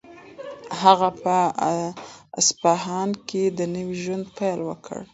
هغه په اصفهان کې د نوي ژوند پیل وکړ.